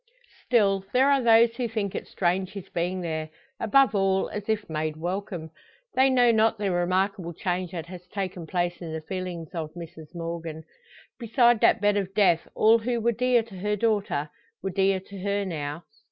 Still, there are those who think it strange his being there above all, as if made welcome. They know not the remarkable change that has taken place in the feelings of Mrs Morgan. Beside that bed of death all who were dear to her daughter, were dear to her now.